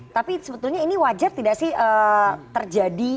tapi sebetulnya ini wajar tidak sih terjadi